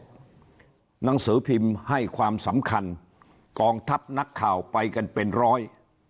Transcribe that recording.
หนังสือพิมพ์ให้ความสำคัญกองทัพนักข่าวไปกันเป็นร้อย